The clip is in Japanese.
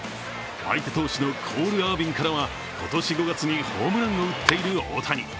相手投手のコール・アービンからは今年５月にホームランを打っている大谷。